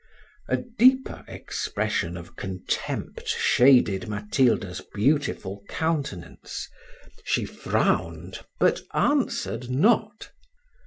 A deeper expression of contempt shaded Matilda's beautiful countenance: she frowned, but answered not.